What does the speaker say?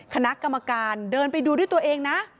คณะกรรมการเดินไปดูด้วยตัวเองนะ